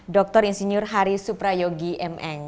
dr insinyur hari suprayogi m eng